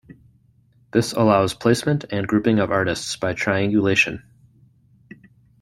This allows placement and grouping of artists by triangulation.